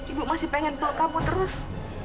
ibu masih pengen tol kamu terus